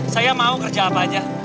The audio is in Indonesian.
saya mau kerja apa aja